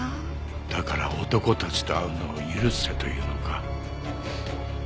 だから男たちと会うのを許せと言うのか？